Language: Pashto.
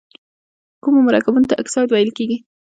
کومو مرکبونو ته اکساید ویل کیږي؟